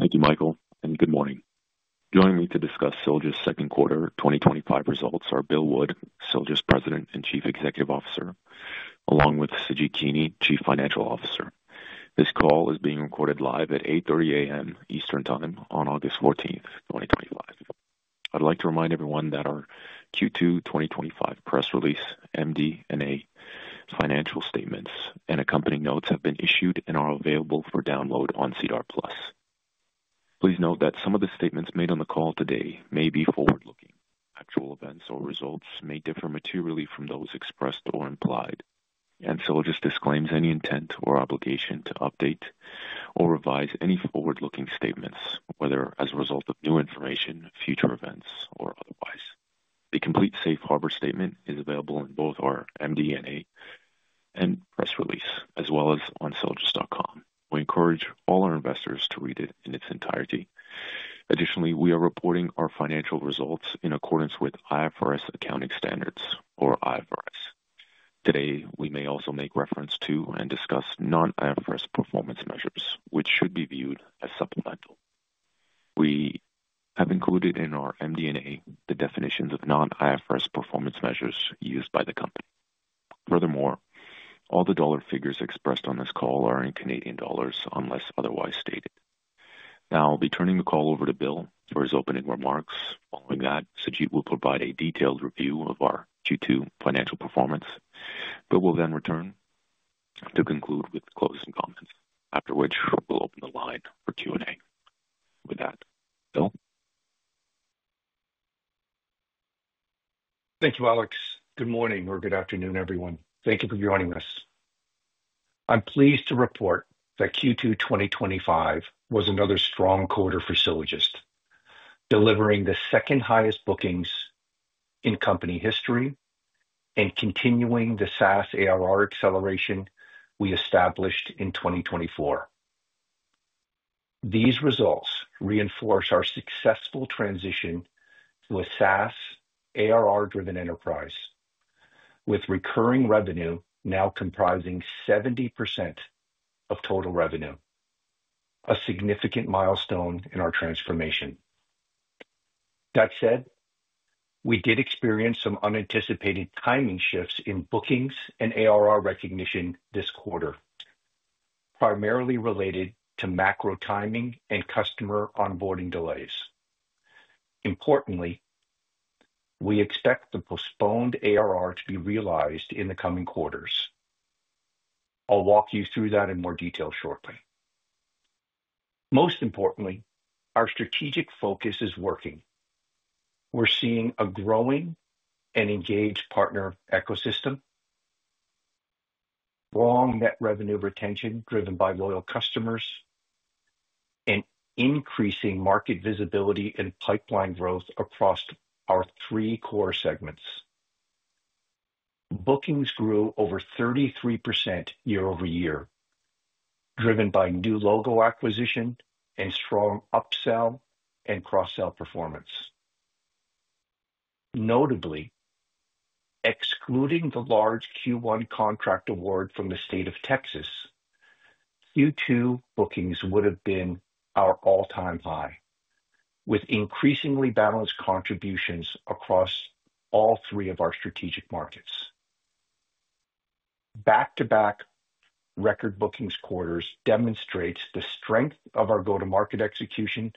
Thank you, Michael, and good morning. Joining me to discuss Sylogist's second quarter 2025 results are Bill Wood, Sylogist's President and Chief Executive Officer, along with Sujeet Kini, Chief Financial Officer. This call is being recorded live at 8:30 A.M. Eastern Time on August 14, 2025. I'd like to remind everyone that our Q2 2025 press release, MD&A financial statements, and accompanying notes have been issued and are available for download on SEDAR+. Please note that some of the statements made on the call today may be forward-looking. Actual events or results may differ materially from those expressed or implied, and Sylogist disclaims any intent or obligation to update or revise any forward-looking statements, whether as a result of new information, future events, or otherwise. The complete Safe Harbor statement is available in both our MD&A and press release, as well as on sylogist.com. We encourage all our investors to read it in its entirety. Additionally, we are reporting our financial results in accordance with IFRS accounting standards, or IFRS. Today, we may also make reference to and discuss non-IFRS performance measures, which should be viewed as supplemental. We have included in our MD&A the definitions of non-IFRS performance measures used by the company. Furthermore, all the dollar figures expressed on this call are in Canadian dollars unless otherwise stated. Now, I'll be turning the call over to Bill for his opening remarks, following that, Sujeet will provide a detailed review of our Q2 financial performance, but will then return to conclude with closing comments, after which we'll open the line for Q&A. With that, Bill? Thank you, Alex. Good morning or good afternoon, everyone. Thank you for joining us. I'm pleased to report that Q2 2025 was another strong quarter for Sylogist, delivering the second highest bookings in company history and continuing the SaaS ARR acceleration we established in 2024. These results reinforce our successful transition to a SaaS ARR-driven enterprise with recurring revenue now comprising 70% of total revenue, a significant milestone in our transformation. That said, we did experience some unanticipated timing shifts in bookings and ARR recognition this quarter, primarily related to macro timing and customer onboarding delays. Importantly, we expect the postponed ARR to be realized in the coming quarters. I'll walk you through that in more detail shortly. Most importantly, our strategic focus is working. We're seeing a growing and engaged partner ecosystem, strong net revenue retention driven by loyal customers, and increasing market visibility and pipeline growth across our three core segments. Bookings grew over 33% year-over-year, driven by new logo acquisition and strong upsell and cross-sell performance. Notably, excluding the large Q1 contract award from the state of Texas, Q2 bookings would have been our all-time high, with increasingly balanced contributions across all three of our strategic markets. Back-to-back record bookings quarters demonstrate the strength of our go-to-market execution,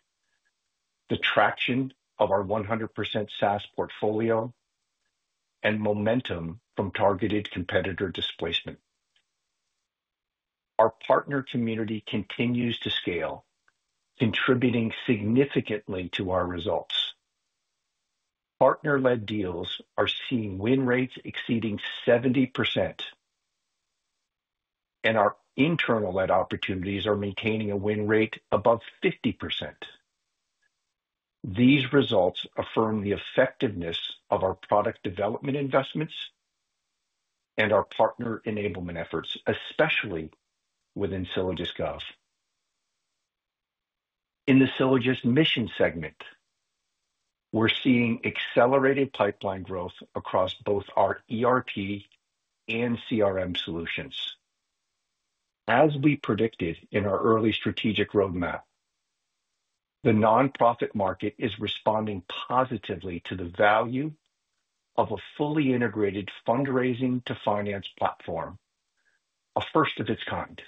the traction of our 100% SaaS portfolio, and momentum from targeted competitor displacement. Our partner community continues to scale, contributing significantly to our results. Partner-led deals are seeing win rates exceeding 70%, and our internal-led opportunities are maintaining a win rate above 50%. These results affirm the effectiveness of our product development investments and our partner enablement efforts, especially within SylogistGov. In the SylogistMission segment, we're seeing accelerated pipeline growth across both our ERP and CRM solutions. As we predicted in our early strategic roadmap, the non-profit market is responding positively to the value of a fully integrated fundraising to finance platform, a first of its kind.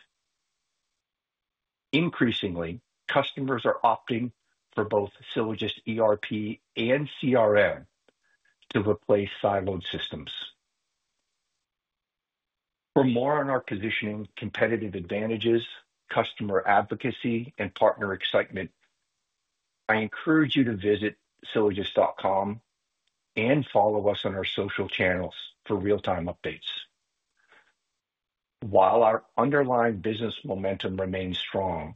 Increasingly, customers are opting for both Sylogist ERP and CRM to replace siloed systems. For more on our positioning, competitive advantages, customer advocacy, and partner excitement, I encourage you to visit sylogist.com and follow us on our social channels for real-time updates. While our underlying business momentum remains strong,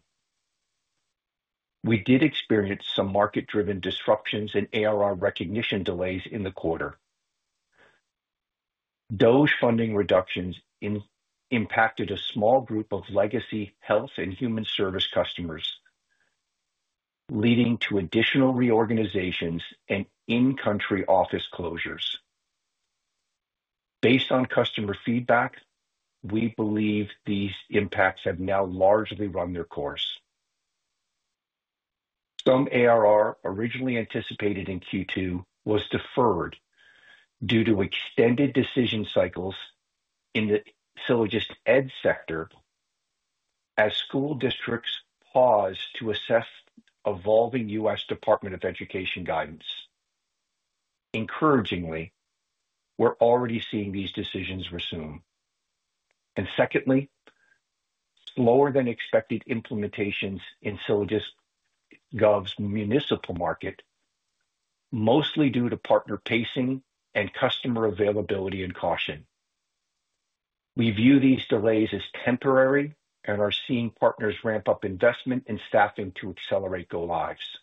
we did experience some market-driven disruptions and ARR recognition delays in the quarter. Those funding reductions impacted a small group of legacy health and human service customers, leading to additional reorganizations and in-country office closures. Based on customer feedback, we believe these impacts have now largely run their course. Some ARR originally anticipated in Q2 was deferred due to extended decision cycles in the SylogistEd sector as school districts paused to assess evolving U.S. Department of Education guidance. Encouragingly, we're already seeing these decisions resume. Secondly, lower than expected implementations in SylogistGov's municipal market, mostly due to partner pacing and customer availability and caution. We view these delays as temporary and are seeing partners ramp up investment and staffing to accelerate go lives.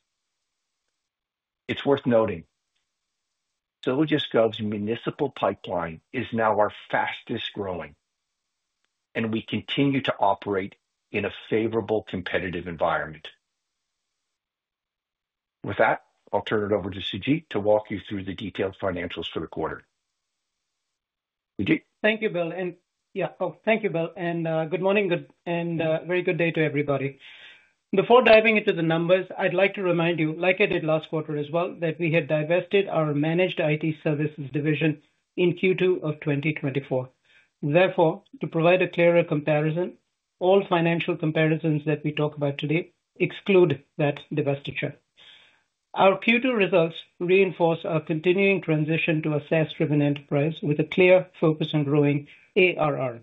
It's worth noting, SylogistGov's municipal pipeline is now our fastest growing, and we continue to operate in a favorable competitive environment. With that, I'll turn it over to Sujeet to walk you through the detailed financials for the quarter. Sujeet? Thank you, Bill. Good morning, and very good day to everybody. Before diving into the numbers, I'd like to remind you, like I did last quarter as well, that we had divested our managed IT services division in Q2 of 2024. Therefore, to provide a clearer comparison, all financial comparisons that we talk about today exclude that divestiture. Our Q2 results reinforce our continuing transition to a SaaS-driven enterprise with a clear focus on growing ARR.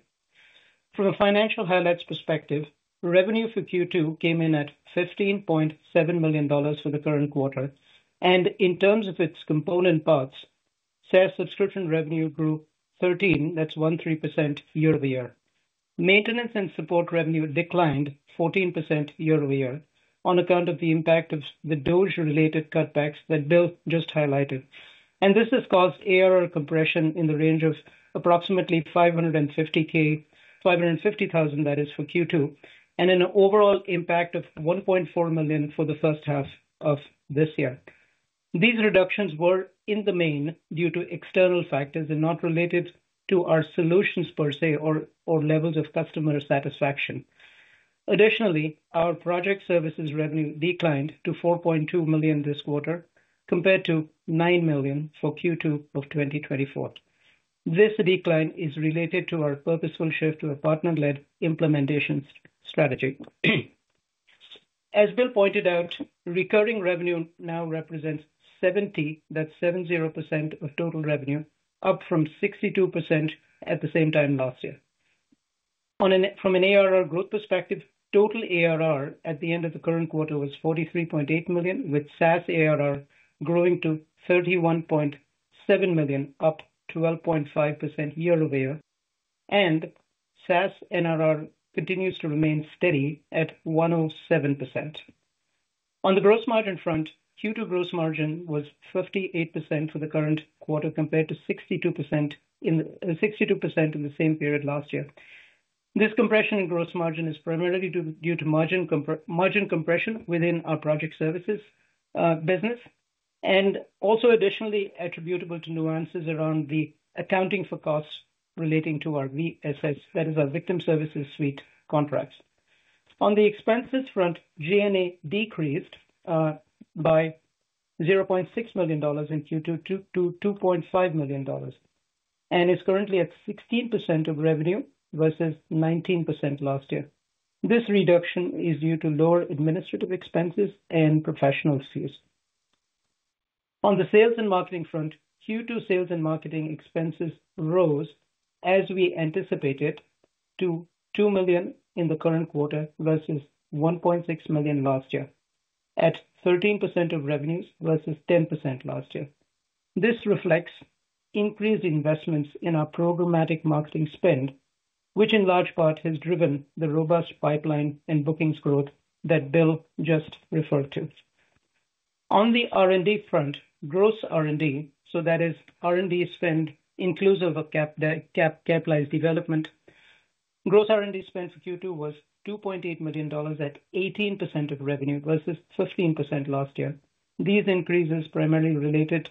From a financial highlights perspective, revenue for Q2 came in at 15.7 million dollars for the current quarter, and in terms of its component parts, SaaS subscription revenue grew 13%, that's 13% year-over-year. Maintenance and support revenue declined 14% year-over-year on account of the impact of the DOGE-related cutbacks that Bill just highlighted. This has caused ARR compression in the range of approximately 550,000 for Q2 and an overall impact of 1.4 million for the first half of this year. These reductions were in the main due to external factors and not related to our solutions per se or levels of customer satisfaction. Additionally, our project services revenue declined to 4.2 million this quarter compared to 9 million for Q2 of 2024. This decline is related to our purposeful shift to a partner-led implementation strategy. As Bill pointed out, recurring revenue now represents 70%, that's 70% of total revenue, up from 62% at the same time last year. From an ARR growth perspective, total ARR at the end of the current quarter was 43.8 million, with SaaS ARR growing to 31.7 million, up 12.5% year-over-year, and SaaS ARR continues to remain steady at 107%. On the gross margin front, Q2 gross margin was 58% for the current quarter compared to 62% in the same period last year. This compression in gross margin is primarily due to margin compression within our project services business and also additionally attributable to nuances around the accounting for costs relating to our VSS, that is our Victim Services Suite contracts. On the expenses front, G&A decreased by 0.6 million dollars in Q2 to 2.5 million dollars and is currently at 16% of revenue versus 19% last year. This reduction is due to lower administrative expenses and professional fees. On the sales and marketing front, Q2 sales and marketing expenses rose as we anticipated to 2 million in the current quarter versus 1.6 million last year at 13% of revenues versus 10% last year. This reflects increased investments in our programmatic marketing spend, which in large part has driven the robust pipeline and bookings growth that Bill just referred to. On the R&D front, gross R&D, so that is R&D spend inclusive of capitalized development, gross R&D spend for Q2 was 2.8 million dollars at 18% of revenue versus 15% last year. These increases primarily related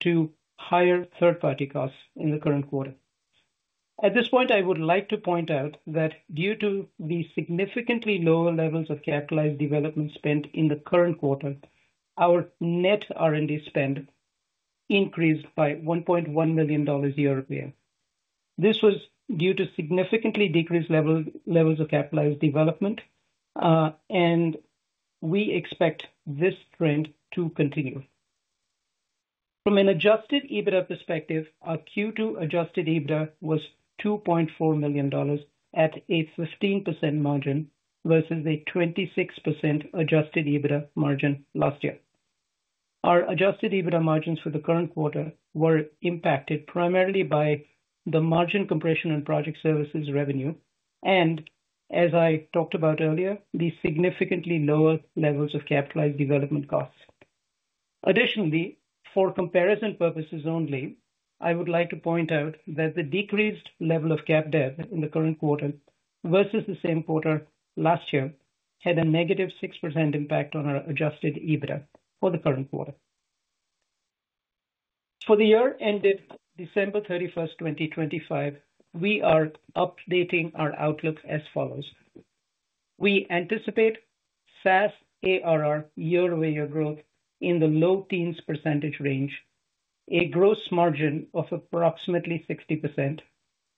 to higher third-party costs in the current quarter. At this point, I would like to point out that due to the significantly lower levels of capitalized development spend in the current quarter, our net R&D spend increased by 1.1 million dollars year-over-year. This was due to significantly decreased levels of capitalized development, and we expect this trend to continue. From an adjusted EBITDA perspective, our Q2 adjusted EBITDA was 2.4 million dollars at a 15% margin versus a 26% adjusted EBITDA margin last year. Our adjusted EBITDA margins for the current quarter were impacted primarily by the margin compression on project services revenue and, as I talked about earlier, the significantly lower levels of capitalized development costs. Additionally, for comparison purposes only, I would like to point out that the decreased level of CapDev in the current quarter versus the same quarter last year had a -6% impact on our adjusted EBITDA for the current quarter. For the year ended December 31, 2025, we are updating our outlook as follows. We anticipate SaaS ARR year-over-year growth in the low teens percentage range, a gross margin of approximately 60%,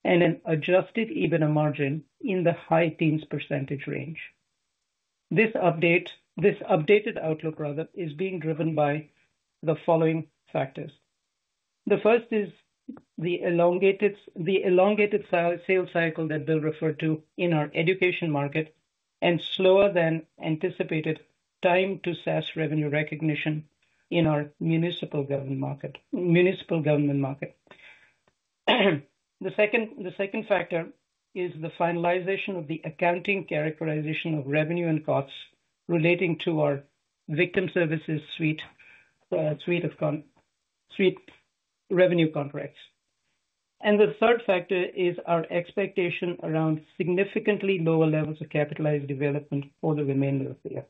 and an adjusted EBITDA margin in the high teens percentage range. This updated outlook, rather, is being driven by the following factors. The first is the elongated sales cycle that Bill referred to in our education market and slower than anticipated time to SaaS revenue recognition in our municipal government market. The second factor is the finalization of the accounting characterization of revenue and costs relating to our Victim Services Suite of revenue contracts. The third factor is our expectation around significantly lower levels of capitalized development over the remainder of the year.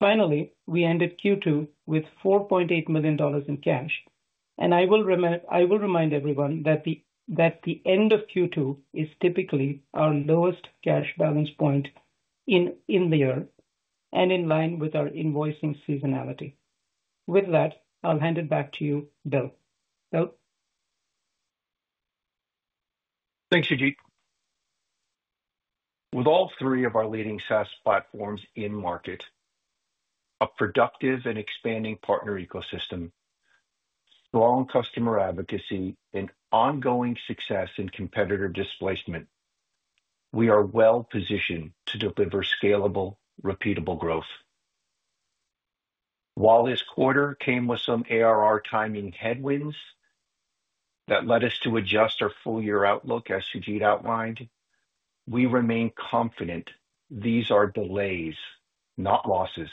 Finally, we ended Q2 with 4.8 million dollars in cash, and I will remind everyone that the end of Q2 is typically our lowest cash balance point in the year and in line with our invoicing seasonality. With that, I'll hand it back to you, Bill. Bill? Thanks, Sujeet. With all three of our leading SaaS platforms in market, a productive and expanding partner ecosystem, strong customer advocacy, and ongoing success in competitor displacement, we are well positioned to deliver scalable, repeatable growth. While this quarter came with some ARR timing headwinds that led us to adjust our full-year outlook as Sujeet outlined, we remain confident these are delays, not losses,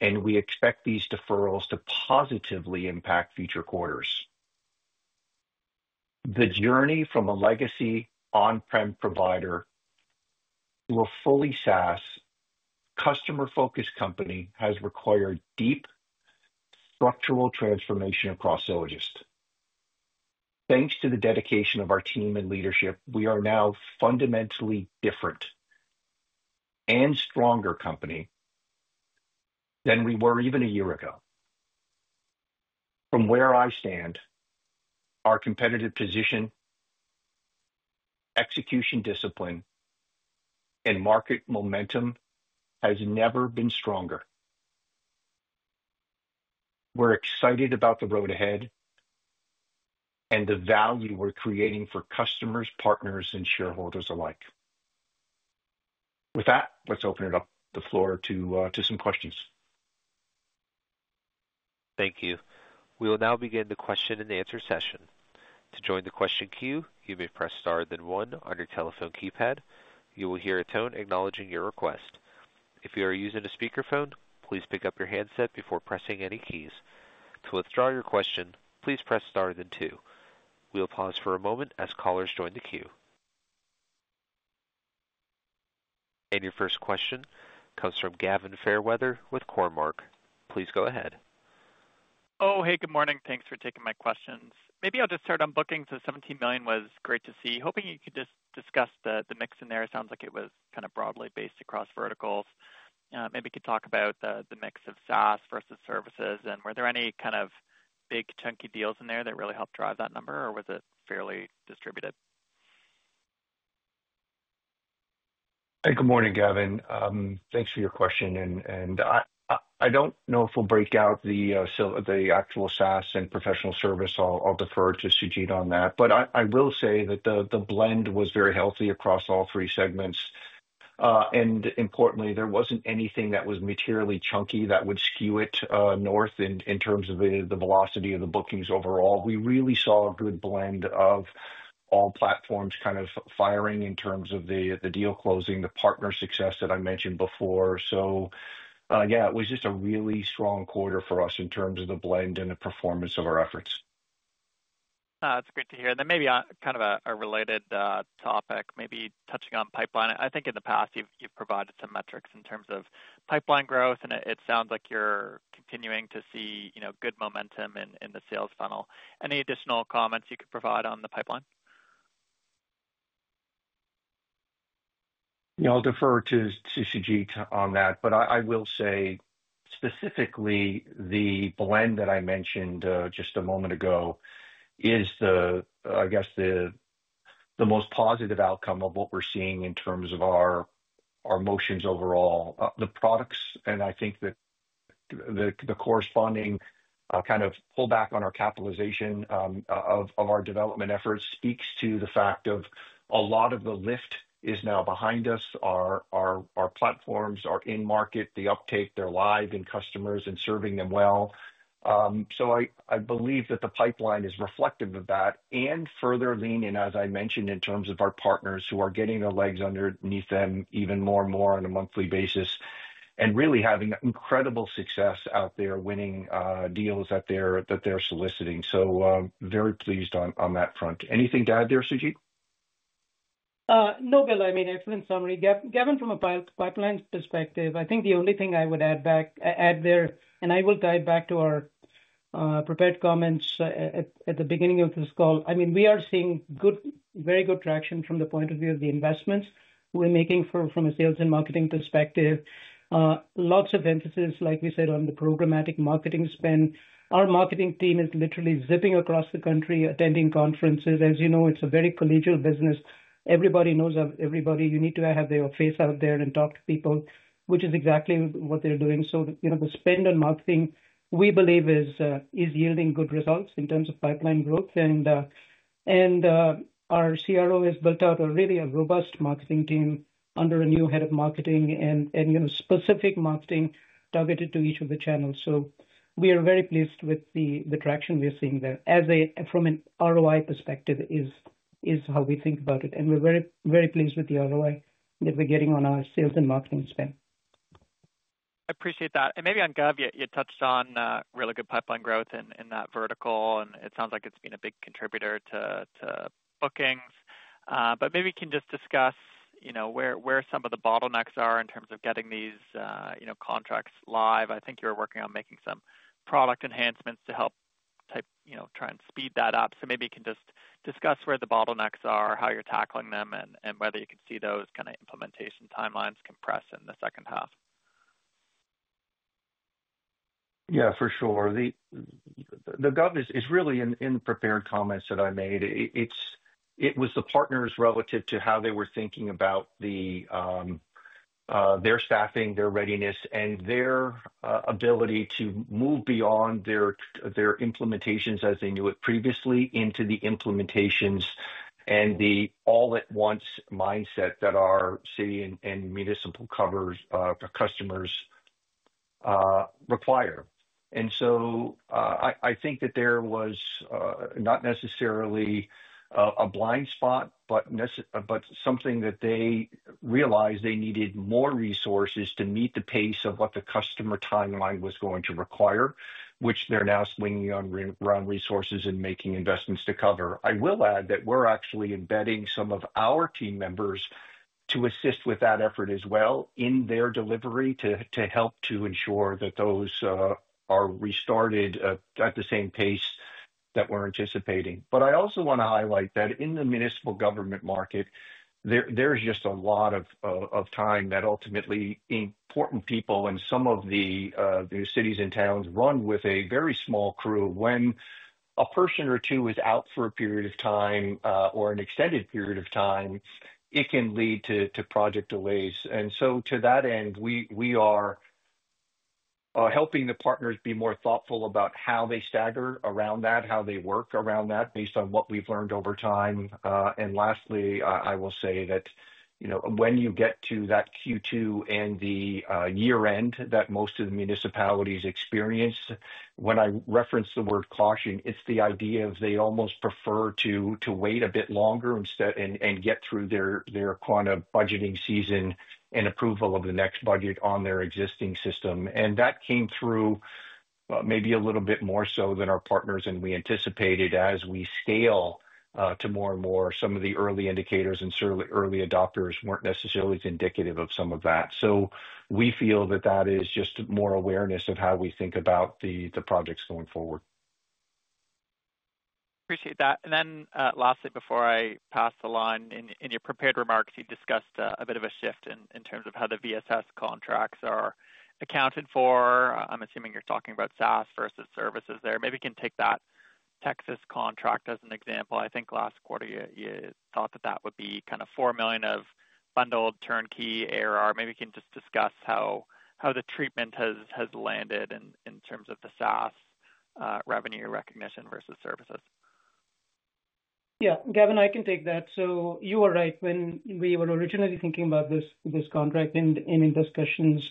and we expect these deferrals to positively impact future quarters. The journey from a legacy on-prem provider to a fully SaaS customer-focused company has required deep structural transformation across Sylogist. Thanks to the dedication of our team and leadership, we are now a fundamentally different and stronger company than we were even a year ago. From where I stand, our competitive position, execution discipline, and market momentum have never been stronger. We're excited about the road ahead and the value we're creating for customers, partners, and shareholders alike. With that, let's open up the floor to some questions. Thank you. We will now begin the question and answer session. To join the question queue, you may press star then one on your telephone keypad. You will hear a tone acknowledging your request. If you are using a speakerphone, please pick up your handset before pressing any keys. To withdraw your question, please press star then two. We'll pause for a moment as callers join the queue. Your first question comes from Gavin Fairweather with Cormark. Please go ahead. Oh, hey, good morning. Thanks for taking my questions. Maybe I'll just start on bookings. The 17 million was great to see. Hoping you could just discuss the mix in there. It sounds like it was kind of broadly based across verticals. Maybe you could talk about the mix of SaaS versus services, were there any kind of big chunky deals in there that really helped drive that number, or was it fairly distributed? Hi, good morning, Gavin. Thanks for your question. I don't know if we'll break out the actual SaaS and professional service. I'll defer to Sujeet on that. I will say that the blend was very healthy across all three segments. Importantly, there wasn't anything that was materially chunky that would skew it north in terms of the velocity of the bookings overall. We really saw a good blend of all platforms kind of firing in terms of the deal closing, the partner success that I mentioned before. It was just a really strong quarter for us in terms of the blend and the performance of our efforts. That's great to hear. Maybe kind of a related topic, maybe touching on pipeline. I think in the past you've provided some metrics in terms of pipeline growth, and it sounds like you're continuing to see good momentum in the sales funnel. Any additional comments you could provide on the pipeline? Yeah, I'll defer to Sujeet on that but I will say specifically the blend that I mentioned just a moment ago is the, I guess, the most positive outcome of what we're seeing in terms of our motions overall. The products, and I think that the corresponding kind of pullback on our capitalization of our development efforts, speaks to the fact that a lot of the lift is now behind us. Our platforms are in market. They uptake, they're live in customers and serving them well. I believe that the pipeline is reflective of that and further leaning, as I mentioned, in terms of our partners who are getting their legs underneath them even more and more on a monthly basis and really having incredible success out there winning deals that they're soliciting. Very pleased on that front. Anything to add there, Sujeet? No, Bill. I mean, in summary, Gavin, from a pipeline perspective, I think the only thing I would add there, and I will tie it back to our prepared comments at the beginning of this call, I mean, we are seeing very good traction from the point of view of the investments we're making from a sales and marketing perspective. Lots of emphasis, like we said, on the programmatic marketing spend. Our marketing team is literally zipping across the country, attending conferences. As you know, it's a very collegial business everybody knows everybody. You need to have your face out there and talk to people, which is exactly what they're doing. The spend on marketing, we believe, is yielding good results in terms of pipeline growth. Our CRO has built out a really robust marketing team under a new Head of Marketing and specific marketing targeted to each of the channels. We are very pleased with the traction we're seeing there. From an ROI perspective, is how we think about it. We're very, very pleased with the ROI that we're getting on our sales and marketing spend. I appreciate that. Maybe on Gov, you touched on really good pipeline growth in that vertical. It sounds like it's been a big contributor to bookings. Maybe you can just discuss where some of the bottlenecks are in terms of getting these contracts live. I think you're working on making some product enhancements to help try and speed that up, maybe you can just discuss where the bottlenecks are, how you're tackling them, and whether you can see those kind of implementation timelines compress in the second half. Yeah, for sure. The Gov is really in the prepared comments that I made. It was the partners relative to how they were thinking about their staffing, their readiness, and their ability to move beyond their implementations as they knew it previously into the implementations and the all-at-once mindset that our city and municipal customers require. I think that there was not necessarily a blind spot, but something that they realized they needed more resources to meet the pace of what the customer timeline was going to require, which they're now swinging around resources and making investments to cover. I will add that we're actually embedding some of our team members to assist with that effort as well in their delivery to help to ensure that those are restarted at the same pace that we're anticipating. I also want to highlight that in the municipal government market, there's just a lot of time that ultimately important people and some of the cities and towns run with a very small crew. When a person or two is out for a period of time or an extended period of time, it can lead to project delays. To that end, we are helping the partners be more thoughtful about how they stagger around that, how they work around that based on what we've learned over time. Lastly, I will say that, you know, when you get to that Q2 and the year-end that most of the municipalities experience, when I reference the word caution, it's the idea of they almost prefer to wait a bit longer and get through their kind of budgeting season and approval of the next budget on their existing system. That came through maybe a little bit more so than our partners and we anticipated as we scale to more and more. Some of the early indicators and certainly early adopters weren't necessarily as indicative of some of that. We feel that, that is just more awareness of how we think about the projects going forward. Appreciate that. Lastly, before I pass the line, in your prepared remarks, you discussed a bit of a shift in terms of how the VSS contracts are accounted for. I'm assuming you're talking about SaaS versus services there. Maybe you can take that Texas contract as an example. I think last quarter you thought that that would be kind of 4 million of bundled turnkey ARR. Maybe you can just discuss how the treatment has landed in terms of the SaaS revenue recognition versus services. Yeah, Gavin, I can take that. You are right. When we were originally thinking about this contract and in discussions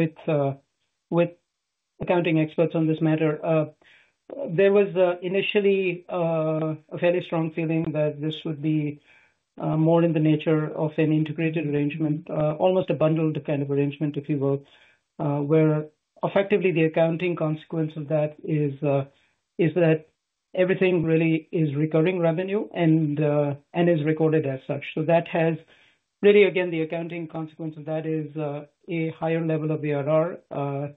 with accounting experts on this matter, there was initially a fairly strong feeling that this would be more in the nature of an integrated arrangement, almost a bundled kind of arrangement, if you will, where effectively the accounting consequence of that is that everything really is recurring revenue and is recorded as such. That has really, again, the accounting consequence of that is a higher level of ARR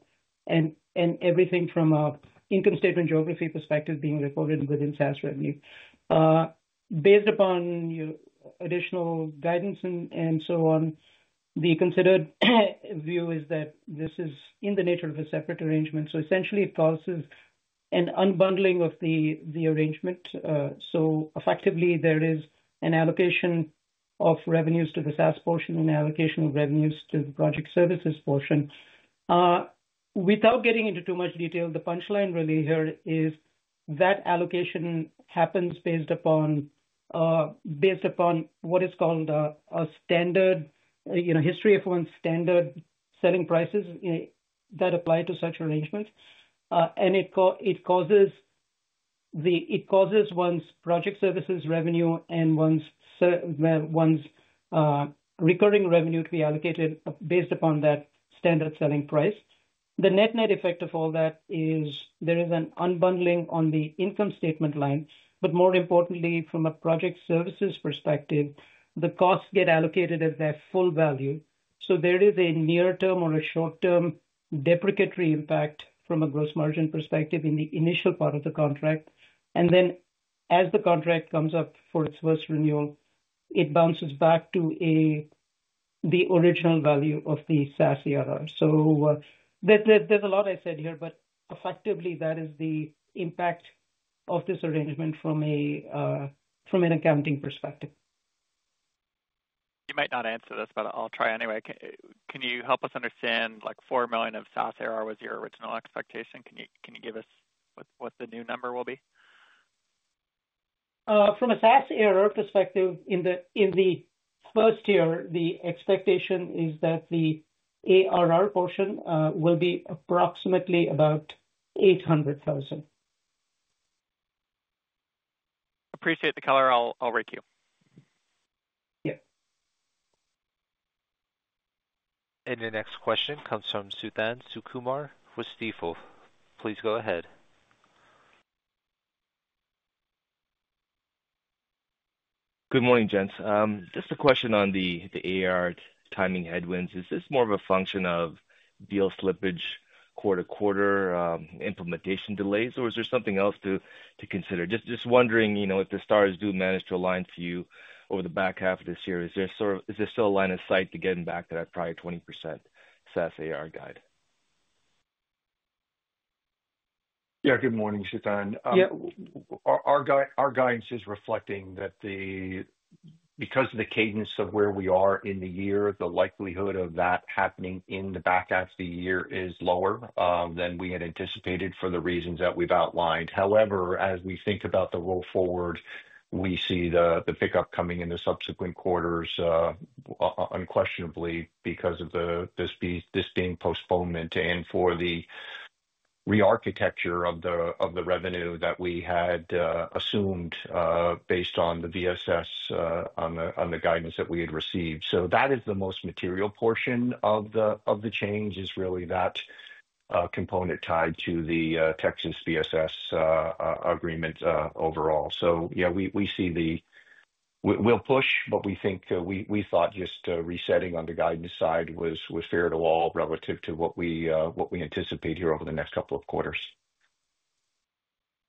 and everything from an income statement geography perspective being recorded within SaaS revenue. Based upon your additional guidance and so on, the considered view is that this is in the nature of a separate arrangement. It causes an unbundling of the arrangement. Effectively, there is an allocation of revenues to the SaaS portion and allocation of revenues to the project services portion. Without getting into too much detail, the punchline really here is that allocation happens based upon what is called a standard, you know, history of one's standard selling prices that apply to such arrangements. It causes one's project services revenue and one's recurring revenue to be allocated based upon that standard selling price. The net-net effect of all that is there is an unbundling on the income statement line, but more importantly, from a project services perspective, the costs get allocated at their full value. There is a near-term or a short-term deprecatory impact from a gross margin perspective in the initial part of the contract. As the contract comes up for its first renewal, it bounces back to the original value of the SaaS ARR. There is a lot I said here, but effectively, that is the impact of this arrangement from an accounting perspective. You might not answer this, but I'll try anyway. Can you help us understand, like, 4 million of SaaS ARR was your original expectation? Can you give us what the new number will be? From a SaaS ARR perspective, in the first year, the expectation is that the ARR portion will be approximately about 800,000. Appreciate the color. I'll rate you. Your next question comes from Suthan Sukumar with Stifel. Please go ahead. Good morning, gents. Just a question on the ARR timing headwinds. Is this more of a function of deal slippage quarter-to-quarter implementation delays, or is there something else to consider? Just wondering, if the stars do manage to align for you over the back half of this year, is there still a line of sight to getting back to that prior 20% SaaS ARR guide? Good morning, Suthan. Our guidance is reflecting that because of the cadence of where we are in the year, the likelihood of that happening in the back half of the year is lower than we had anticipated for the reasons that we've outlined. However, as we think about the roll forward, we see the pickup coming in the subsequent quarters unquestionably because of this being postponed and for the re-architecture of the revenue that we had assumed based on the VSS on the guidance that we had received. That is the most material portion of the change, really that component tied to the Texas VSS agreement overall. We see the push, but we thought just resetting on the guidance side was fair to all relative to what we anticipate here over the next couple of quarters.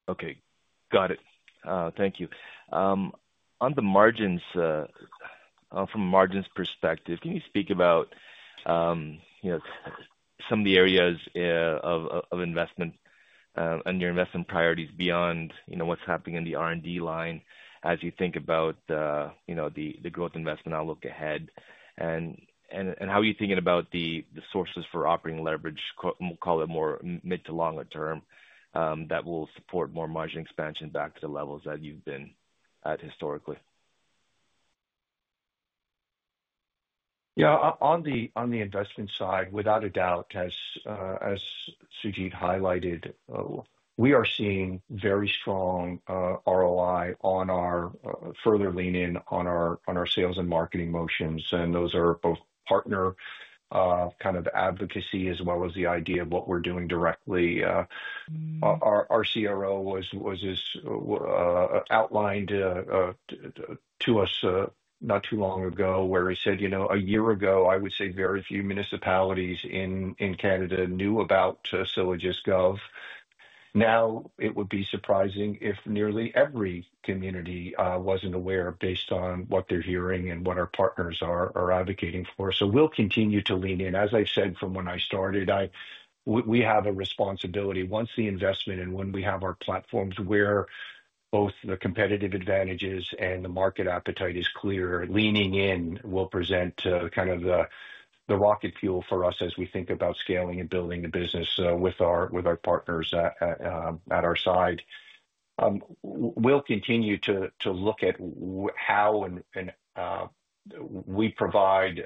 Okay. Got it. Thank you. On the margins, from a margins perspective, can you speak about some of the areas of investment and your investment priorities beyond what's happening in the R&D line as you think about the growth investment outlook ahead? How are you thinking about the sources for operating leverage, we'll call it more mid to longer-term, that will support more margin expansion back to the levels that you've been at historically? Yeah, on the investment side, without a doubt, as Sujeet highlighted, we are seeing very strong ROI on our further lean-in on our sales and marketing motions. Those are both partner kind of advocacy as well as the idea of what we're doing directly. Our CRO just outlined to us not too long ago where he said, you know, a year ago, I would say very few municipalities in Canada knew about SylogistGov. Now, it would be surprising if nearly every community wasn't aware based on what they're hearing and what our partners are advocating for. We'll continue to lean in. As I said from when I started, we have a responsibility once the investment and when we have our platforms where both the competitive advantages and the market appetite is clear, leaning in will present kind of the rocket fuel for us as we think about scaling and building the business with our partners at our side. We'll continue to look at how we provide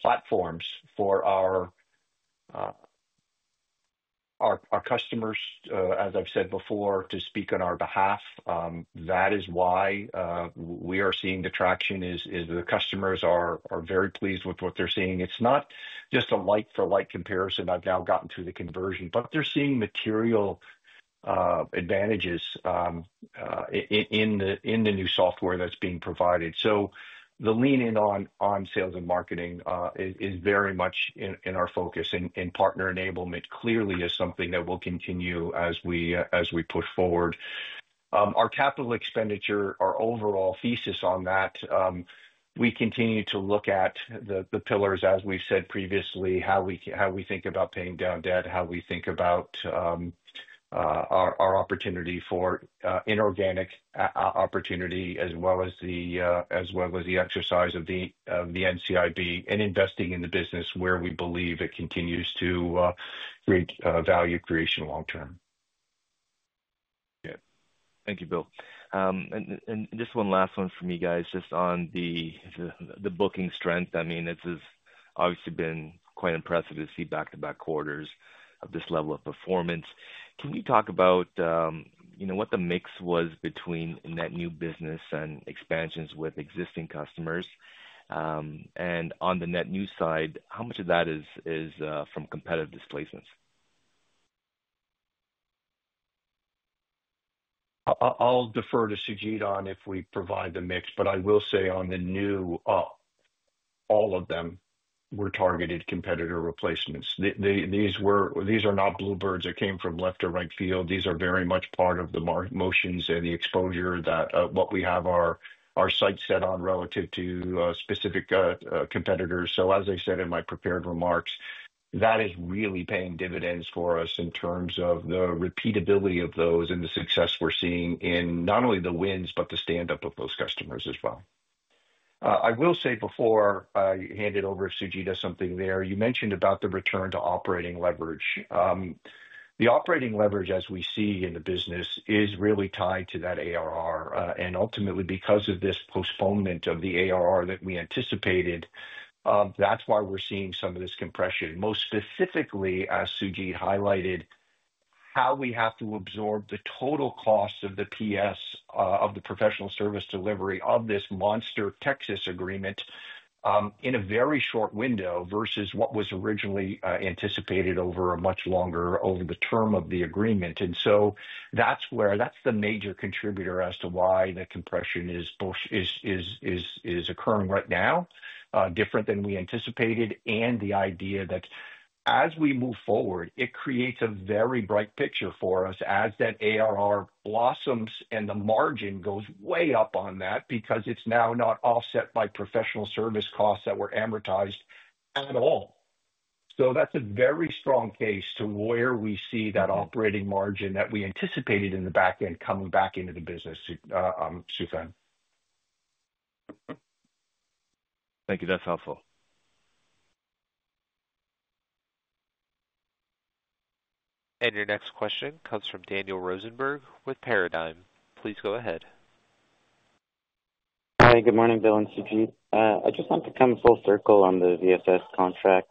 platforms for our customers, as I've said before, to speak on our behalf. That is why we are seeing the traction is the customers are very pleased with what they're seeing. It's not just a light-for-light comparison. I've now gotten through the conversion, but they're seeing material advantages in the new software that's being provided. The lean-in on sales and marketing is very much in our focus, and partner enablement clearly is something that will continue as we push forward. Our capital expenditure, our overall thesis on that, we continue to look at the pillars, as we've said previously, how we think about paying down debt, how we think about our opportunity for inorganic opportunity, as well as the exercise of the NCIB, and investing in the business where we believe it continues to create value creation long-term. Thank you, Bill. Just one last one from you guys, just on the booking strength. This has obviously been quite impressive to see back-to-back quarters of this level of performance. Can you talk about what the mix was between net new business and expansions with existing customers? On the net new side, how much of that is from competitive displacements? I'll defer to Sujeet on if we provide the mix, but I will say on the new, all of them were targeted competitor replacements. These are not bluebirds that came from left or right field. These are very much part of the market motions and the exposure that what we have our sights set on relative to specific competitors. As I said in my prepared remarks, that is really paying dividends for us in terms of the repeatability of those and the success we're seeing in not only the wins, but the standup of those customers as well. I will say before I hand it over to Sujeet to something there, you mentioned about the return to operating leverage. The operating leverage, as we see in the business, is really tied to that ARR. Ultimately, because of this postponement of the ARR that we anticipated, that's why we're seeing some of this compression. Most specifically, as Sujeet highlighted, how we have to absorb the total cost of the PS, of the professional service delivery of this monster Texas agreement in a very short window versus what was originally anticipated over a much longer over the term of the agreement. That's the major contributor as to why the compression is occurring right now, different than we anticipated. The idea that as we move forward, it creates a very bright picture for us as that ARR blossoms and the margin goes way up on that because it's now not offset by professional service costs that were amortized at all. That's a very strong case to where we see that operating margin that we anticipated in the back end coming back into the business, Suthan. Thank you. That's helpful. Your next question comes from Daniel Rosenberg with Paradigm. Please go ahead. Hi, good morning, Bill and Sujeet. I just want to come full circle on the VSS contract.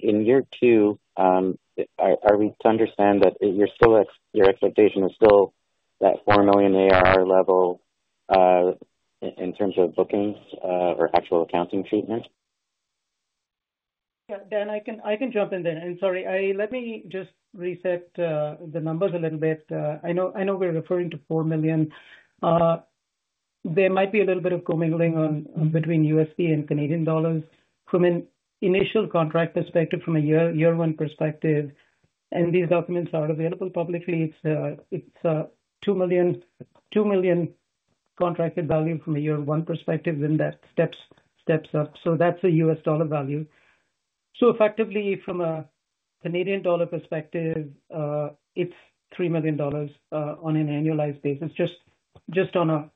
In year two, are we to understand that your expectation is still that 4 million ARR level in terms of bookings or actual accounting treatment? Yeah, Dan, I can jump in there. Sorry, let me just reset the numbers a little bit. I know we're referring to 4 million. There might be a little bit of commingling between USD. and Canadian dollars. From an initial contract perspective, from a year-one perspective, and these documents are available publicly, it's $2 million contracted value from a year-one perspective, and that steps up. That's a U.S. dollar value. Effectively, from a Canadian dollar perspective, it's 3 million dollars on an annualized basis, just on a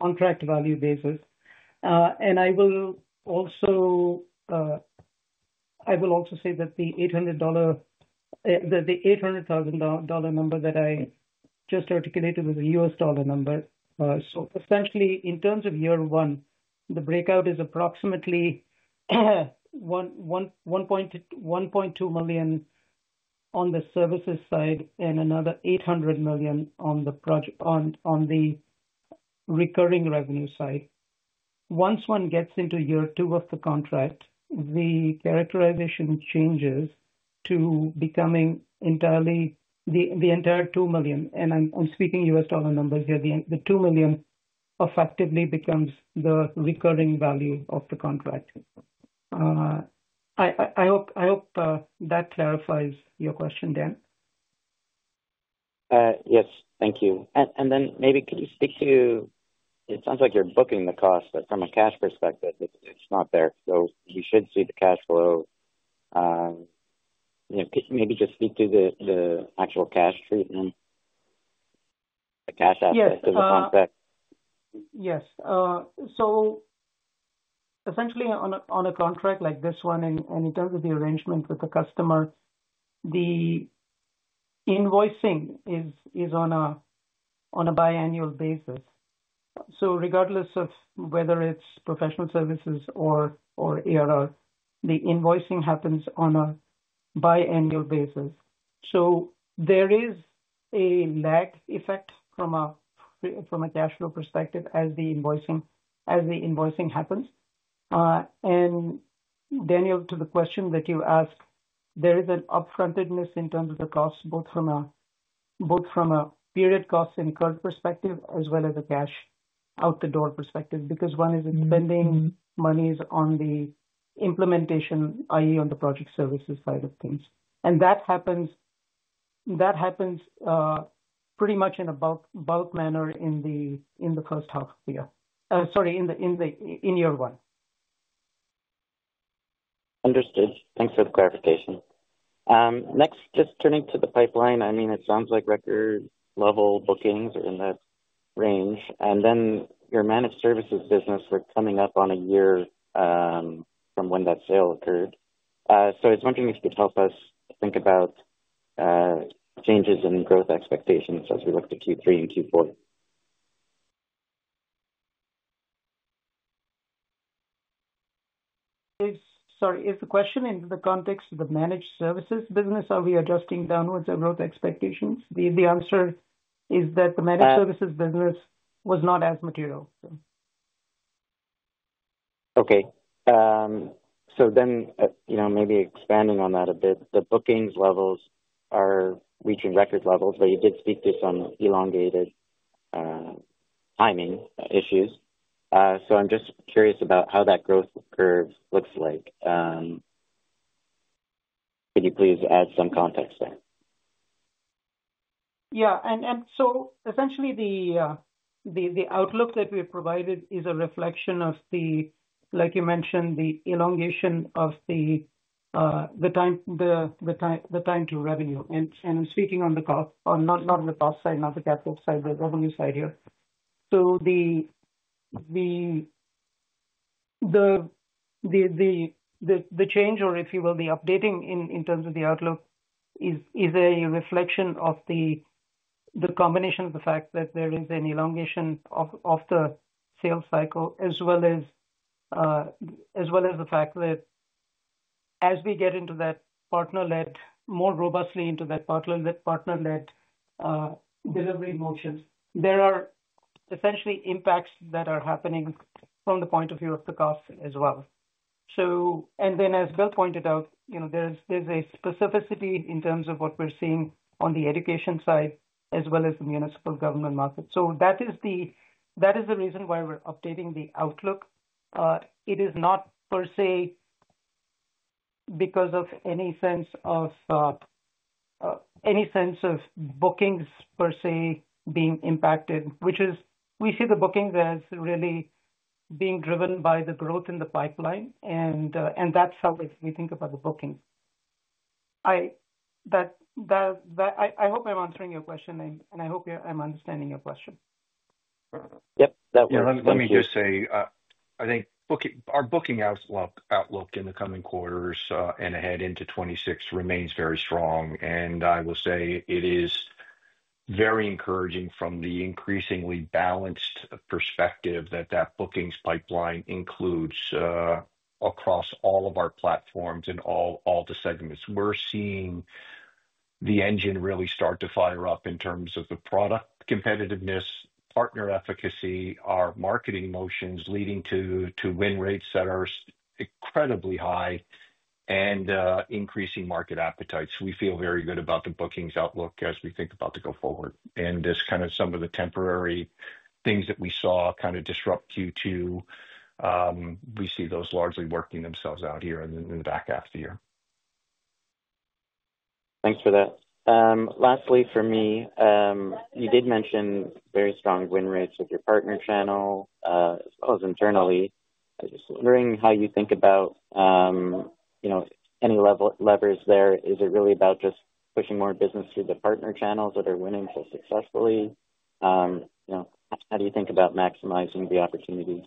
contract value basis. I will also say that the $800,000 number that I just articulated was a U.S. dollar number. Essentially, in terms of year one, the breakout is approximately 1.2 million on the services side and another 800 million on the recurring revenue side. Once one gets into year two of the contract, the characterization changes to becoming entirely the entire $2 million. I'm speaking U.S. dollar numbers here. The $2 million effectively becomes the recurring value of the contract. I hope that clarifies your question, Dan. Yes, thank you. Maybe can you speak to, it sounds like you're booking the cost, but from a cash perspective, it's not there. You should see the cash flow. Maybe just speak to the actual cash treatment, the cash aspect of the contract. Yes. Essentially, on a contract like this one, and in terms of the arrangement with the customer, the invoicing is on a biannual basis. Regardless of whether it's professional services or ARR, the invoicing happens on a biannual basis. There is a lag effect from a cash flow perspective as the invoicing happens. Daniel, to the question that you asked, there is an upfrontedness in terms of the costs, both from a period costs and current perspective, as well as a cash out the door perspective, because one is spending monies on the implementation, i.e., on the project services side of things. That happens pretty much in a bulk manner in the first half of the year, sorry, in year one. Understood. Thanks for the clarification. Next, just turning to the pipeline, it sounds like record-level bookings are in that range. Your managed services business, we're coming up on a year from when that sale occurred. I was wondering if you could help us think about changes in growth expectations as we look to Q3 and Q4. Sorry, is the question in the context of the managed services business, are we adjusting downwards our growth expectations? The answer is that the managed services business was not as material. Okay. Maybe expanding on that a bit, the bookings levels are reaching record levels, but you did speak to some elongated timing issues. I'm just curious about how that growth curve looks like. Could you please add some context there? Yeah. Essentially, the outlook that we've provided is a reflection of the, like you mentioned, the elongation of the time-to-revenue. I'm speaking on the cost, not on the capital side, the revenue side here. The change or if you will, the updating in terms of the outlook is a reflection of the combination of the fact that there is an elongation of the sales cycle, as well as the fact that as we get more robustly into that partner-led delivery motions, there are impacts that are happening from the point of view of the cost as well. As Bill pointed out, there's a specificity in terms of what we're seeing on the education side, as well as the municipal government market. That is the reason why we're updating the outlook. It is not per se because of any sense of bookings per se being impacted, which is we see the bookings as really being driven by the growth in the pipeline, and that's how we think about the booking. I hope I'm answering your question, and I hope I'm understanding your question. Let me just say, I think our booking outlook in the coming quarters and ahead into 2026 remains very strong. I will say it is very encouraging from the increasingly balanced perspective that ,that bookings pipeline includes across all of our platforms in all the segments. We're seeing the engine really start to fire up in terms of the product competitiveness, partner efficacy, our marketing motions leading to win rates that are incredibly high, and increasing market appetite. We feel very good about the bookings outlook as we think about the go-forward. This kind of some of the temporary things that we saw kind of disrupt Q2, we see those largely working themselves out here in the back half of the year. Thanks for that. Lastly, for me, you did mention very strong win rates with your partner channel, as well as internally. I'm just wondering how you think about, you know, any levers there. Is it really about just pushing more business through the partner channels that are winning so successfully? You know, how do you think about maximizing the opportunity?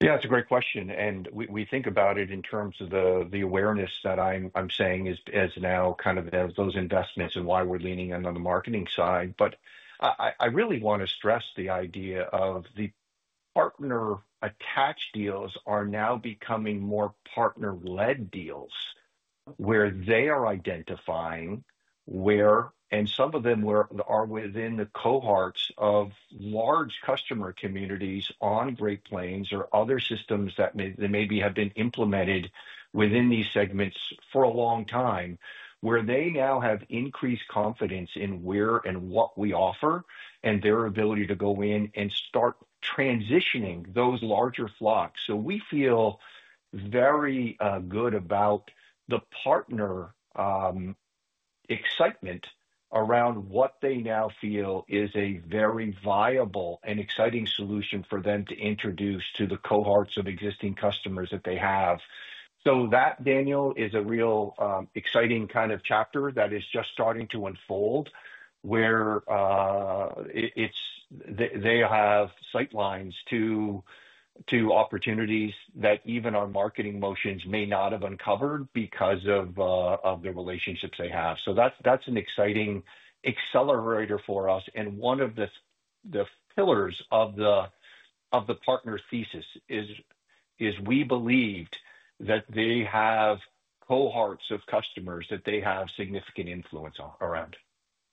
Yeah, it's a great question. We think about it in terms of the awareness that I'm saying is now kind of those investments and why we're leaning in on the marketing side. I really want to stress the idea of the partner-attached deals are now becoming more partner-led deals where they are identifying where, and some of them are within the cohorts of large customer communities on Great Plains or other systems that maybe have been implemented within these segments for a long-time, where they now have increased confidence in where and what we offer and their ability to go in and start transitioning those larger flocks. We feel very good about the partner excitement around what they now feel is a very viable and exciting solution for them to introduce to the cohorts of existing customers that they have. That, Daniel, is a real exciting kind of chapter that is just starting to unfold where they have sightlines to opportunities that even our marketing motions may not have uncovered because of the relationships they have. That's an exciting accelerator for us. One of the pillars of the partner's thesis is we believed that they have cohorts of customers that they have significant influence around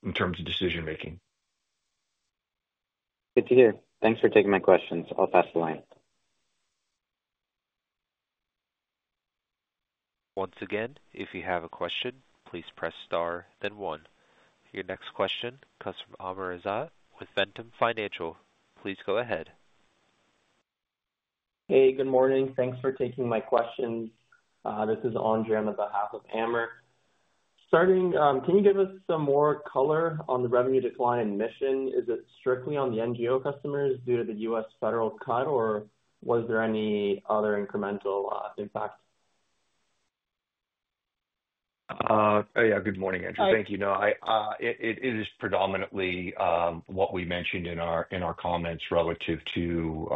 in terms of decision-making. Good to hear. Thanks for taking my questions. I'll pass the line. Once again, if you have a question, please press star, then one. Your next question comes from Amr Ezzat with Ventum Financial. Please go ahead. Hey, good morning. Thanks for taking my question. This is Andrea on behalf of Amr. Starting, can you give us some more color on the revenue decline in Mission? Is it strictly on the NGO customers due to the U.S. federal cut, or was there any other incremental impact? Yeah, good morning, Andrew. Thank you. No, it is predominantly what we mentioned in our comments relative to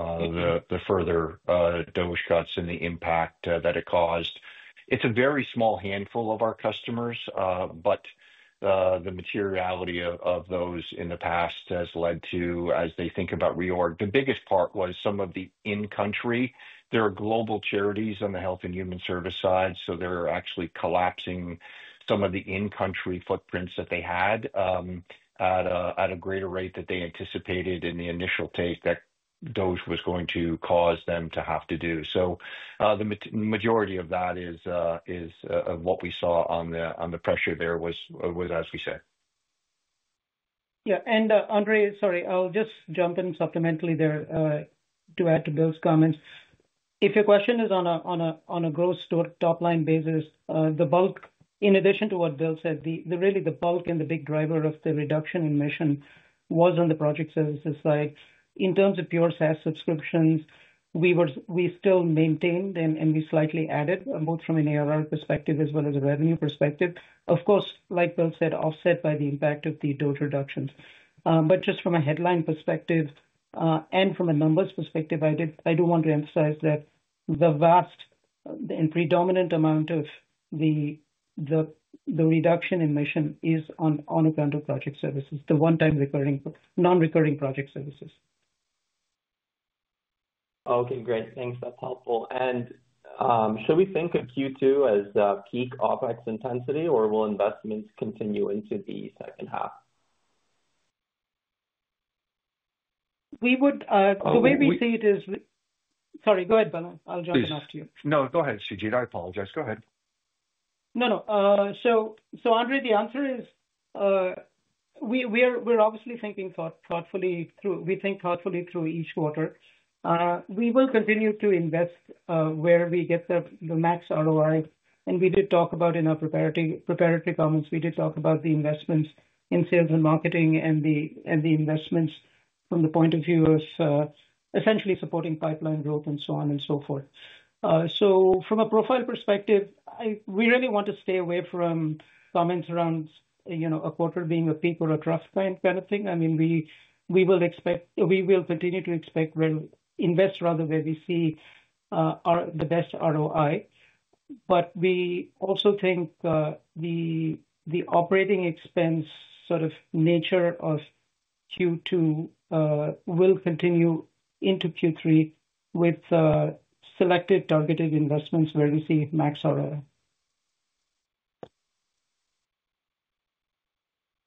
the further DOGE cuts and the impact that it caused. It's a very small handful of our customers, but the materiality of those in the past has led to, as they think about reorg, the biggest part was some of the in-country. There are global charities on the health and human service side, so they're actually collapsing some of the in-country footprints that they had at a greater rate than they anticipated in the initial take that DOGE was going to cause them to have to do. The majority of that is what we saw on the pressure there was, as we said. Yeah, and Andre, sorry, I'll just jump in supplementally there to add to Bill's comments. If your question is on a gross top-line basis, the bulk, in addition to what Bill said, really the bulk and the big driver of the reduction in Mission was on the project services side. In terms of pure SaaS subscriptions, we still maintained and we slightly added both from an ARR perspective as well as a revenue perspective. Of course, like Bill said, offset by the impact of the DOGE reductions. Just from a headline perspective and from a numbers perspective, I do want to emphasize that the vast and predominant amount of the reduction in Mission is on account of project services, the one-time non-recurring project services. Okay, great. Thanks. That's helpful. Should we think of Q2 as the peak OpEx intensity, or will investments continue into the second half? The way we see it is, go ahead, Bill. I'll jump in after you. No, go ahead, Sujeet. I apologize. Go ahead. No, Andre, the answer is we're obviously thinking thoughtfully through, we think thoughtfully through each quarter. We will continue to invest where we get the max ROI. We did talk about in our preparatory comments, we did talk about the investments in sales and marketing and the investments from the point of view of essentially supporting pipeline growth and so on and so forth. From a profile perspective, we really want to stay away from comments around, you know, a quarter being a peak or a trough kind of thing. We will continue to expect when invest rather where we see the best ROI. We also think the operating expense sort of nature of Q2 will continue into Q3 with selected targeted investments where we see max ROI.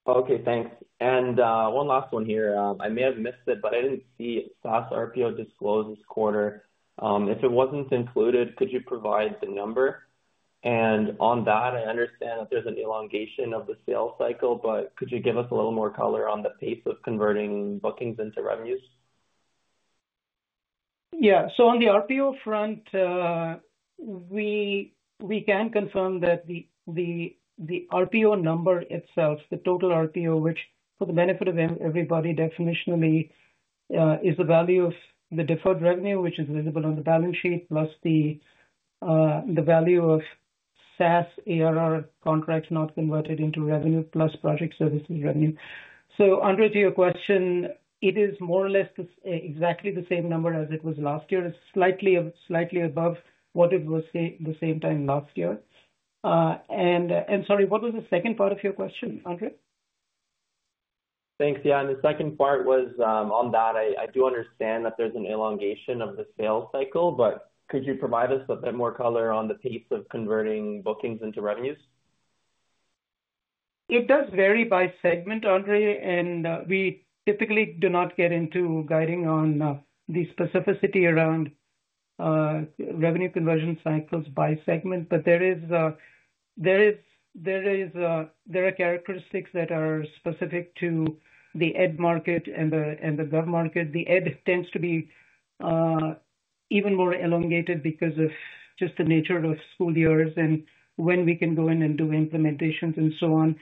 Okay, thanks. One last one here. I may have missed it, but I didn't see SaaS RPO disclosed this quarter. If it wasn't included, could you provide the number? On that, I understand that there's an elongation of the sales cycle. Could you give us a little more color on the pace of converting bookings into revenues? Yeah, on the RPO front, we can confirm that the RPO number itself, the total RPO, which for the benefit of everybody definitionally is the value of the deferred revenue, which is visible on the balance sheet, plus the value of SaaS ARR contracts not converted into revenue, plus project services revenue. Andrea, to your question, it is more or less exactly the same number as it was last year. It's slightly above what it was the same time last year. Sorry, what was the second part of your question, Andre? Thanks, yeah. The second part was on that. I do understand that there's an elongation of the sales cycle, but could you provide us a bit more color on the pace of converting bookings into revenues? It does vary by segment, Andre, and we typically do not get into guiding on the specificity around revenue conversion cycles by segment, but there are characteristics that are specific to the Ed market and the Gov market. The Ed tends to be even more elongated because of just the nature of school years and when we can go in and do implementations and so on.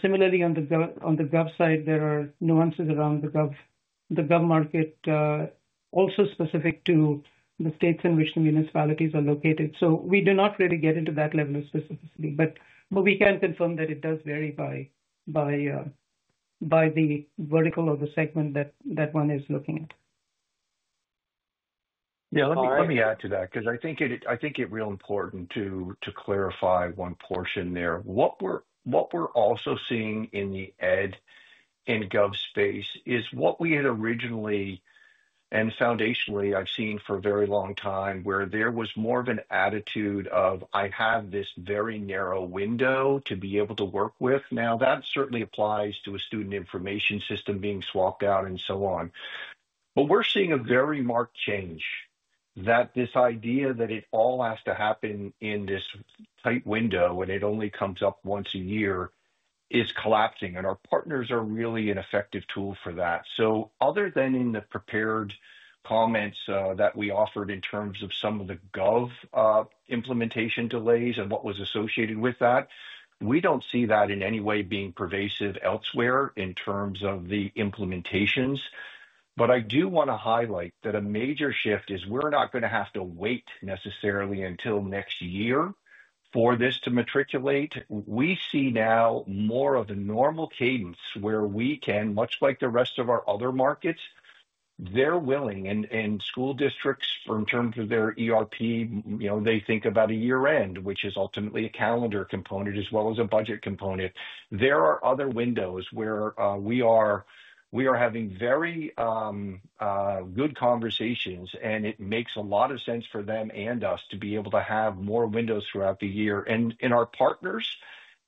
Similarly, on the Gov side, there are nuances around the Gov market, also specific to the states in which the municipalities are located. We do not really get into that level of specificity, but we can confirm that it does vary by the vertical or the segment that one is looking at. Yeah, let me add to that because I think it's real important to clarify one portion there. What we're also seeing in the Ed and Gov space is what we had originally and foundationally I've seen for a very long time where there was more of an attitude of I have this very narrow window to be able to work with. Now that certainly applies to a student information system being swapped out and so on. We're seeing a very marked change that this idea that it all has to happen in this tight window and it only comes up once a year is collapsing. Our partners are really an effective tool for that. Other than in the prepared comments that we offered in terms of some of the Gov implementation delays and what was associated with that, we don't see that in any way being pervasive elsewhere in terms of the implementations. I do want to highlight that a major shift is we're not going to have to wait necessarily until next year for this to matriculate. We see now more of a normal cadence where we can, much like the rest of our other markets, they're willing. School districts, in terms of their ERP, you know, they think about a year-end, which is ultimately a calendar component as well as a budget component. There are other windows where we are having very good conversations, and it makes a lot of sense for them and us to be able to have more windows throughout the year. In our partners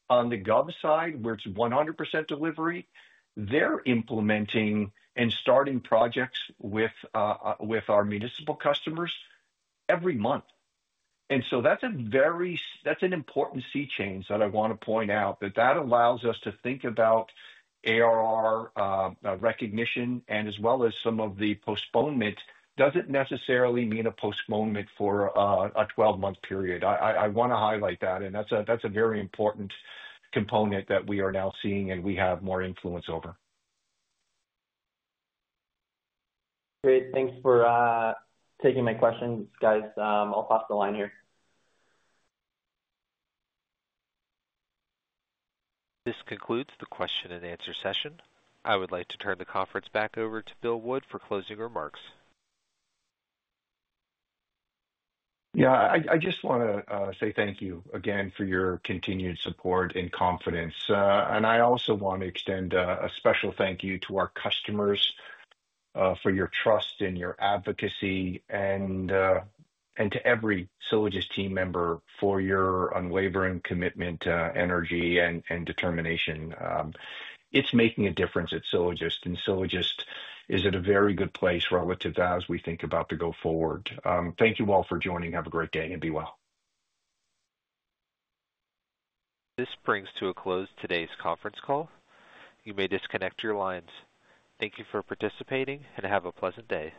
on the Gov side, where it's 100% delivery, they're implementing and starting projects with our municipal customers every month. That's a very, that's an important sea change that I want to point out that allows us to think about ARR recognition and as well as some of the postponement doesn't necessarily mean a postponement for a 12-month period. I want to highlight that. That's a very important component that we are now seeing and we have more influence over. Great. Thanks for taking my questions, guys. I'll pass the line here. This concludes the question and answer session. I would like to turn the conference back over to Bill Wood for closing remarks. I just want to say thank you again for your continued support and confidence. I also want to extend a special thank you to our customers for your trust and your advocacy and to every Sylogist team member for your unwavering commitment, energy, and determination. It's making a difference at Sylogist, and Sylogist is at a very good place relative to as we think about the go-forward. Thank you all for joining. Have a great day and be well. This brings to a close today's conference call. You may disconnect your lines. Thank you for participating and have a pleasant day.